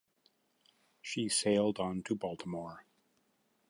She sailed on to Baltimore.